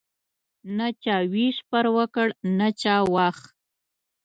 نه چا ویش پر وکړ نه چا واخ.